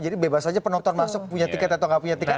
jadi bebas saja penonton masuk punya tiket atau tidak punya tiket